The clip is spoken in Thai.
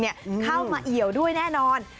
เข้ามาเอี่ยวด้วยแน่นอน